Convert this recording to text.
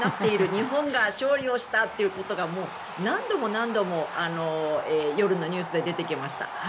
日本が勝利をしたということが何度も何度も夜のニュースで出てきました。